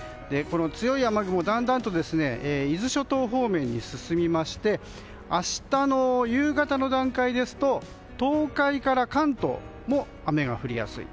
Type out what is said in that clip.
強い雨雲、だんだんと伊豆諸島方面に進みまして明日の夕方の段階ですと東海から関東も雨が降りやすい。